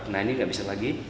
nah ini nggak bisa lagi